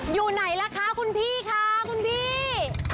อยู่ไหนล่ะคะคุณพี่คะคุณพี่